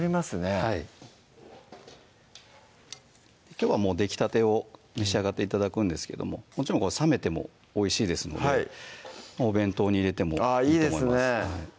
はいきょうはもうできたてを召し上がって頂くんですけどももちろん冷めてもおいしいですのでお弁当に入れてもいいと思いますいいですね